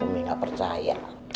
ah umi gak percaya